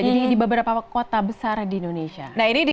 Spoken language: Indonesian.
jadi di beberapa kota besar di indonesia